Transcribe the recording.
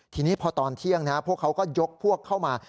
ทีนี้พอตอนเที่ยงพวกเขาก็ยกพวกเข้ามา